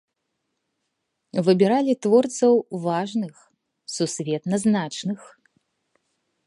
Выбіралі творцаў важных, сусветна значных.